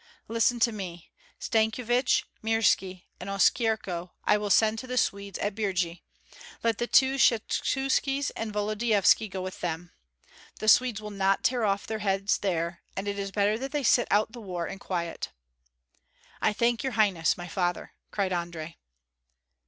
Listen to me: Stankyevich, Mirski, and Oskyerko I will send to the Swedes at Birji; let the two Skshetuskis and Volodyovski go with them. The Swedes will not tear off their heads there, and it is better that they sit out the war in quiet." "I thank your highness, my father," cried Andrei.